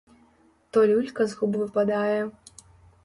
То люлька з губ выпадае.